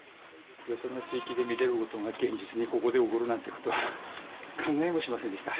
よその地域で見ていることが、現実にここで起こるなんてことは考えもしませんでした。